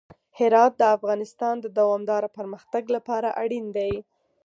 هرات د افغانستان د دوامداره پرمختګ لپاره اړین دي.